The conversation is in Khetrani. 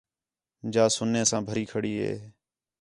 جا سُنّے ساں بھری کھڑی ہے